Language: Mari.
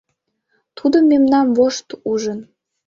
Тудо мемнам вошт ужын.